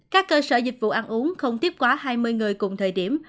các cơ sở dịch vụ ăn uống không tiếp quá hai mươi người cùng thời điểm